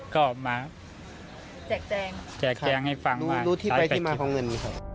ก็มาแจกแจงแจกแจงให้ฟาร์มมาใช้ไปกี่บาทครับรู้ที่ไปที่มาของเงิน